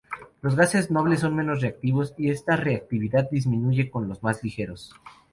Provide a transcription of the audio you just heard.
Los gases nobles son menos reactivos, y esta reactividad disminuye con los más ligeros.